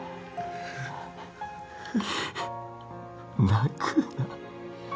泣くな